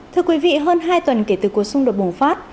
thưa quý vị hơn hai tuần kể từ cuộc xung đột bùng phát